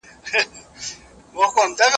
رشوت د ټولنې یو بد عمل دی.